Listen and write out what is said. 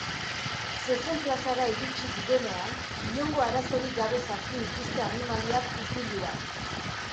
Zezen-plazara iritsi direnean, inongo arazorik gabe sartu dituzte animaliak ukuiluan.